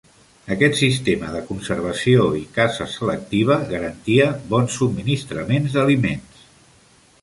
Aquest sistema de conservació i caça selectiva garantia bons subministraments d'aliments.